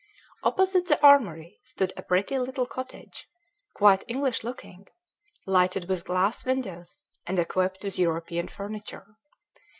Opposite the armory stood a pretty little cottage, quite English looking, lighted with glass windows, and equipped with European furniture.